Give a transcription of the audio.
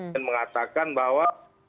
dan mengatakan bahwa